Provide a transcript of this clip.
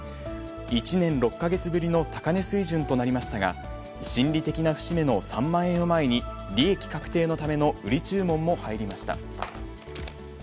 １年６か月ぶりの高値水準となりましたが、心理的な節目の３万円を前に、利益確定のための売り注文も入りました。